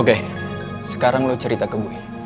oke sekarang lo cerita ke gue